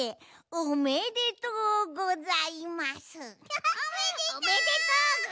おめでとうぐ！